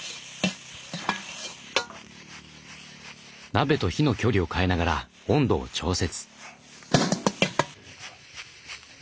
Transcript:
鍋と火の距離を変えながら温度を調節。